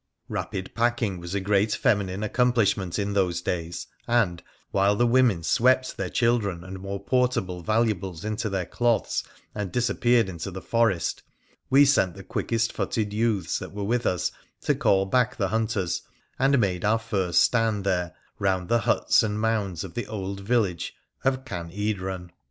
Rapid packing was a great feminine accomplishment in those days, and, while the women swept their children and more portable valuables into their cloths and disappeared into the forest, we sent the quickest footed youths that were with PHRA THE PUCENICIAN 53 us to call back the hunters, and made our first stand there round the huts and mounds of the old village of Caen Edron.